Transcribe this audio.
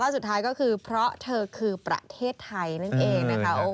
สุดท้ายก็คือเพราะเธอคือประเทศไทยนั่นเองนะคะ